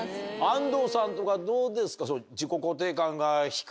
安藤さんとかどうですか？